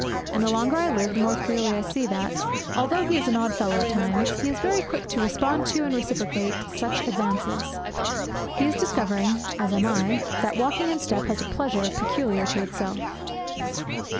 And the longer I live the more clearly I see that, although he is an odd fellow at times, he is very quick to respond to and reciprocate such advances. He is discovering, as I am, that walking in step has a pleasure peculiar to itself.